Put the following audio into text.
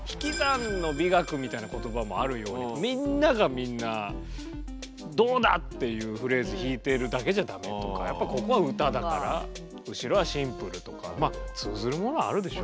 みたいな言葉もあるようにっていうフレーズ弾いているだけじゃダメとかやっぱここは歌だから後ろはシンプルとかまあ通ずるものはあるでしょうね。